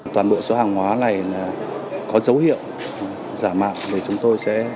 toàn bộ số hàng hóa này có dấu hiệu giả mạo